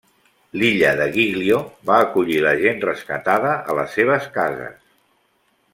L'illa de Giglio va acollir la gent rescatada a les seves cases.